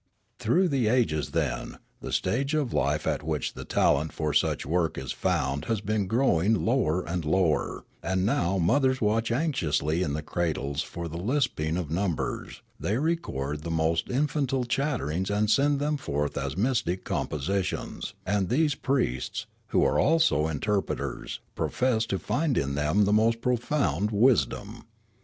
" Through the ages, then, the stage of life at which the talent for such work is found has been growing lower and lower; and now mothers watch anxiously in the cradles for the lisping of numbers ; the}^ record the most infantile chatterings and send them forth as mystic compositions ; and these priests, who are also interpreters, profess to find in them the most profound wisdom.